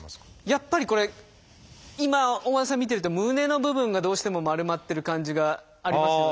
やっぱりこれ今大和田さん見てると胸の部分がどうしても丸まってる感じがありますよね。